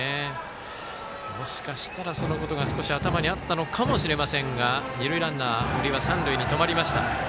もしかしたらそのことが少し頭にあったのかもしれませんが二塁ランナー、堀は三塁で止まりました。